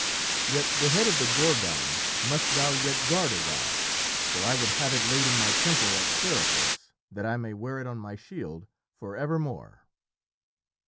Yet the head of the Gorgon must thou yet guard awhile, for I would have it laid in my temple at Seriphos that I may wear it on my shield for evermore."